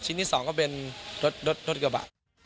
ชิ้นที่สองก็เป็นรถกระบะ